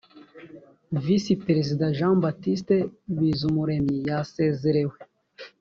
visi perezida jean baptiste bizumuremyi yasezerewe